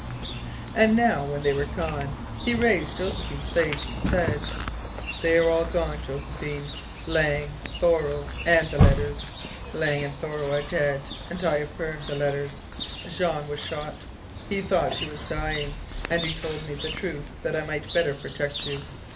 And now when they were gone, he raised Josephine's face, and said: "They are all gone, Josephine Lang, Thoreau, AND THE LETTERS. Lang and Thoreau are dead, and I have burned the letters. Jean was shot. He thought he was dying, and he told me the truth that I might better protect you.